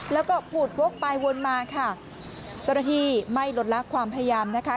แล้วก็พูดวกไปวนมาค่ะเจ้าหน้าที่ไม่ลดละความพยายามนะคะ